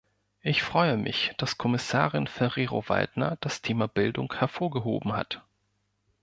Ich freue mich, dass Kommissarin Ferrero-Waldner das Thema Bildung hervorgehoben hat.